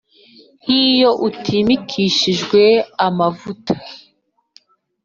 nk’iyo utimikishijwe amavuta